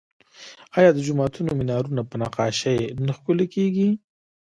آیا د جوماتونو مینارونه په نقاشۍ نه ښکلي کیږي؟